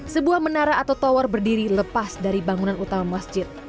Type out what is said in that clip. sebuah menara atau tower berdiri lepas dari bangunan utama masjid